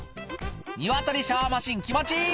鶏シャワーマシン気持ちいい！